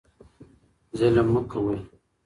ظلم مه کوئ.